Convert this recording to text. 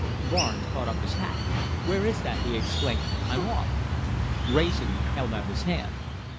Barnes caught up his hat. "Where is that?" he exclaimed. "I'm off." Wrayson held out his hand.